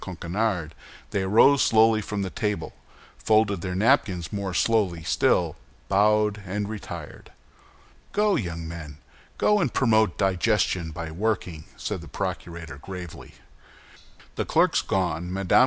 Coquenard, they arose slowly from the table, folded their napkins more slowly still, bowed, and retired. "Go, young men! go and promote digestion by working," said the procurator, gravely. The clerks gone, Mme.